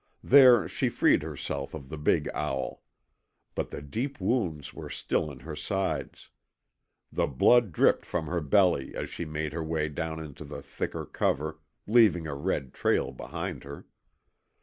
There she freed herself of the big owl. But the deep wounds were still in her sides. The blood dripped from her belly as she made her way down into the thicker cover, leaving a red trail behind her.